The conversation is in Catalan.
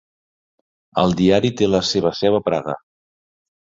El diari té la seva seu a Praga.